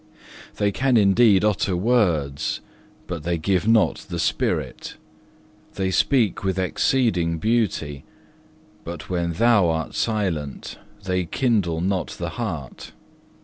2. They can indeed utter words, but they give not the spirit. They speak with exceeding beauty, but when Thou art silent they kindle not the heart.